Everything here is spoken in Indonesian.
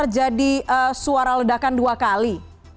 jadi suara ledakan dua kali